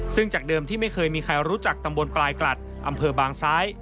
ซึ่งจากเดิมที่ไม่เคยมีใครรู้จักตำบลปลายกลัดอำเภอบางซ้าย